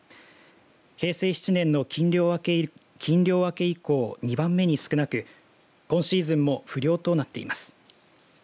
平成７年の禁漁明け以降２番目に少なく今シーズンも不漁となっています。